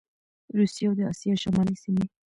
روسیه او د اسیا شمالي سیمي